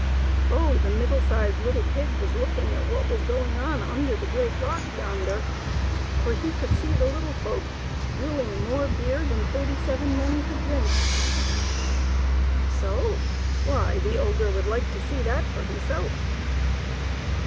Oh, the middle sized little pig was looking at what was going on under the great rock yonder, for he could see the little folk brewing more beer than thirty seven men could drink. So ! Why, the ogre would like to see that for himself.